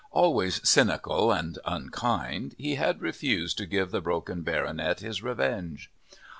Always cynical and unkind, he had refused to give the broken baronet his "revenge."